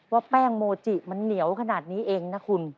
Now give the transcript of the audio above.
ว่าแป้งโมจิมันเหนียวขนาดนี้เองนะคุณ